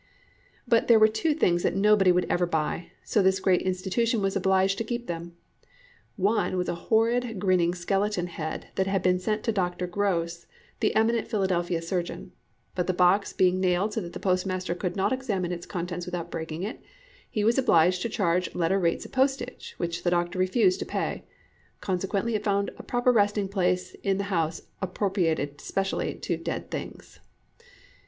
But there were two things that nobody would ever buy, so this great institution was obliged to keep them. One was a horrid, grinning, skeleton head, that had been sent to Dr. Gross, the eminent Philadelphia surgeon; but the box being nailed so that the postmaster could not examine its contents without breaking it, he was obliged to charge letter rates of postage, which the doctor refused to pay; consequently it found a proper resting place in the house appropriated specially to dead things.